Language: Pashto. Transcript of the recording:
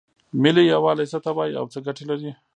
ملي یووالی څه ته وایې او څه ګټې لري؟